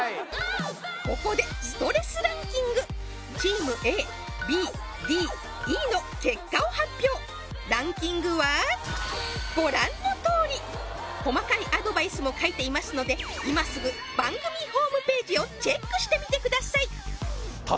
ここでストレスランキングの結果を発表ランキングはご覧のとおり細かいアドバイスも書いていますので今すぐ番組ホームページをチェックしてみてください